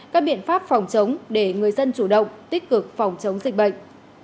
các biện pháp phòng chống để người dân chủ động tích cực phòng chống dịch bệnh